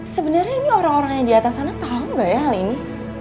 sebenernya ini orang orang yang di atas sana tau gak ya hal ini